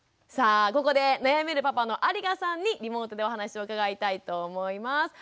さあここで悩めるパパの有我さんにリモートでお話を伺いたいと思います。